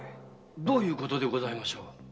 どういうことでございましょう。